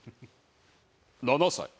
７歳。